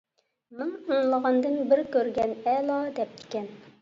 مىڭ ئاڭلىغاندىن بىر كۆرگەن ئەلا دەپتىكەن.